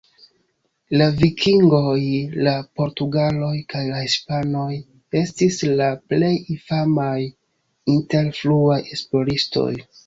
La vikingoj, la portugaloj, kaj la hispanoj estis la plej famaj inter fruaj esploristoj.